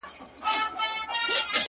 څه ته مي زړه نه غواړي-